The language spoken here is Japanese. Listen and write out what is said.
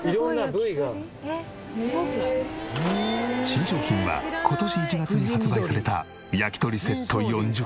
新商品は今年１月に発売された焼き鳥セット４０本。